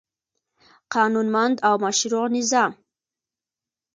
قانونمند او مشروع نظام